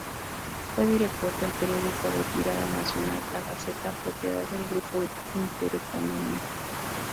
Fue director del periódico de tirada nacional "La Gaceta", propiedad del Grupo Intereconomía.